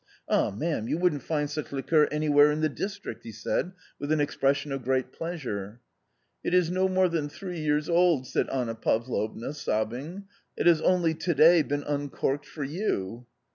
Ah, ma'am, you wouldn't find such liqueur anywhere in the district !" he said, with an expression of great pleasure. " It is no more than thr ee ee years old !" said Anna Pavlovna, sobbing, " it has — only to day — been uncorked for you.